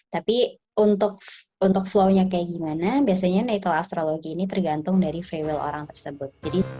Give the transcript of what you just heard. tapi untuk flow nya kayak gimana biasanya natal astrologi ini tergantung dari free will orang tersebut